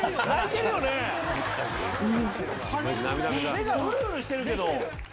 目がうるうるしてるけど。